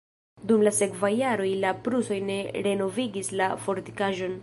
Dum la sekvaj jaroj la prusoj ne renovigis la fortikaĵon.